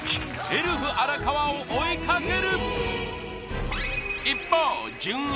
エルフ荒川を追いかける！